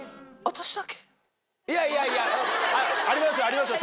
いやいやいやありますよありますよ